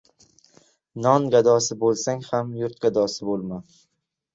Non gadosi bo'lsang ham, yurt gadosi bo'lma.